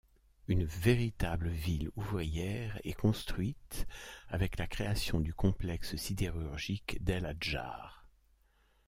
Une véritable ville ouvrière est construite avec la création du complexe sidérurgique d'El-Hadjar.